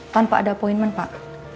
tanpa ada appointment pak